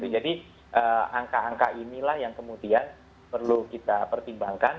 jadi angka angka inilah yang kemudian perlu kita pertimbangkan